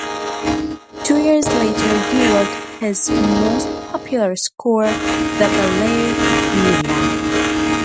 Two years later he wrote his most popular score, the ballet "Lileya".